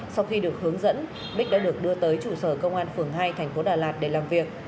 sau khi được hướng dẫn bích đã được đưa tới trụ sở công an phường hai thành phố đà lạt để làm việc